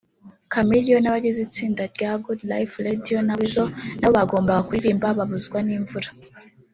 Chameleone n’abagize itsinda rya Good Life [Radio na Weasel] na bo bagombaga kuririmba babuzwa n’imvura